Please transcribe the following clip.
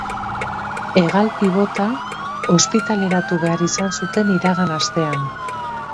Hegal-pibota ospitaleratu behar izan zuten iragan astean.